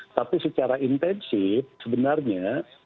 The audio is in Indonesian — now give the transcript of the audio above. tapi secara intensif sebenarnya